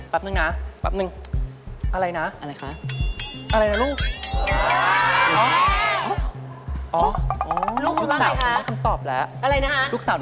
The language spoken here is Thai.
แปปหนึ่งนะแปปหนึ่งอะไรนะอะไรนะลูก